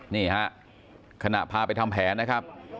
นี่ฮะขณะพาไปทำแผนนะครับ